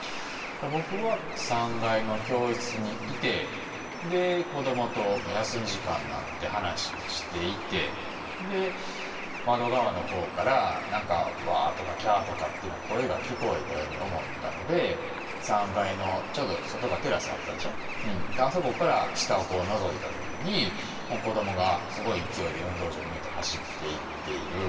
僕は３階の教室にいて、子どもと休み時間になって話をしていて、窓側のほうから、なんか、わーとか、きゃーとかというような声が聞こえたように思ったので、３階の、ちょうど外がテラスだったでしょう、あそこから下をのぞいたときに、子どもがすごい勢いで運動場に向いて走っていっている。